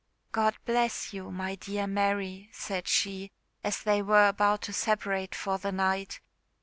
"God bless you, my dear Mary!" said she, as they were about to separate for the night.